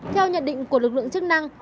theo nhận định của lực lượng chức năng